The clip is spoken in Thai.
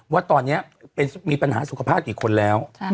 ว่าตอนนี้มีปัญหาสุขภาพกี่คนแล้ว